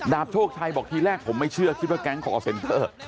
โชคชัยบอกทีแรกผมไม่เชื่อคิดว่าแก๊งคอร์เซ็นเตอร์